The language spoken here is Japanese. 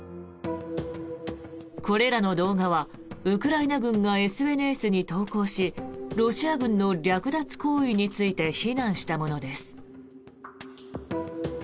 これらの動画はウクライナ軍がＳＮＳに投稿しロシア軍の略奪行為について非難したものです。